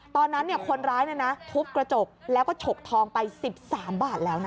ตอนนั้นคนร้ายทุบกระจกแล้วก็ฉกทองไป๑๓บาทแล้วนะ